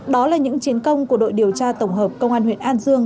đó là những chiến công của đội điều tra tổng hợp công an huyện an dương